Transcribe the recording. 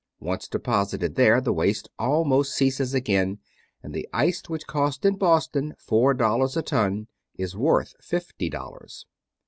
Once deposited there, the waste almost ceases again, and the ice which cost in Boston four dollars a ton is worth fifty dollars.